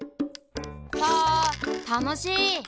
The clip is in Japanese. サたのしい！